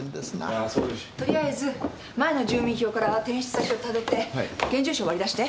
とりあえず前の住民票から転出先をたどって現住所を割り出して。